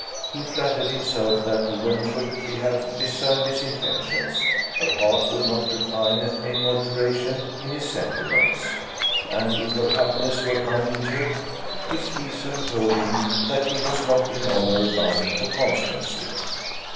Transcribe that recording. He flattered himself that even should she have discerned his intentions, her heart would not repine at any alteration in his sentiments; and if her happiness were uninjured, his reason told him that he was not in honour bound to constancy.